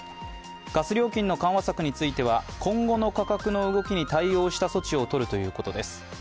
ガス料金の緩和策については今後の価格の動きに対応した措置を取るということです。